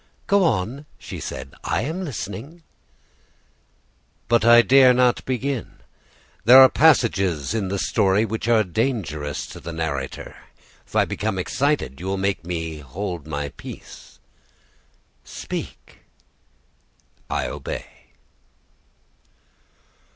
"Go on," she said. "I am listening." "But I dare not begin. There are passages in the story which are dangerous to the narrator. If I become excited, you will make me hold my peace." "Speak." "I obey.